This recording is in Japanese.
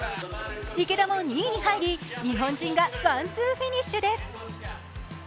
池田も２位に入り日本人がワンツーフィニッシュです。